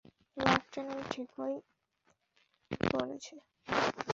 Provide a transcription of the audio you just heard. Lieutenant ঠিকই বলেছে।